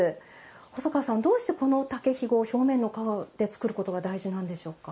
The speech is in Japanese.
細川さんどうしてこの竹ひご表面の皮で作ることが大事なんでしょうか？